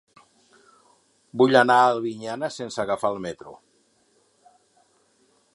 Vull anar a Albinyana sense agafar el metro.